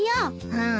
うん。